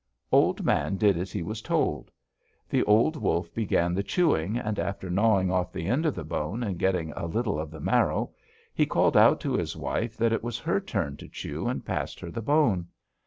"Old Man did as he was told. The old wolf began the chewing, and after gnawing off the end of the bone, and getting a little of the marrow, called out to his wife that it was her turn to chew and passed her the bone.